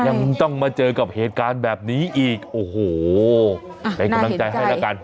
ยังต้องมาเจอกับเหตุการณ์แบบนี้อีกโอ้โหเป็นกำลังใจให้แล้วกัน